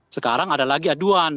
sekarang ada lagi aduan